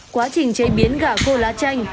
quá trình chế biến gà khô lá chanh